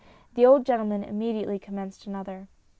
. the old gentleman immediately commenced another.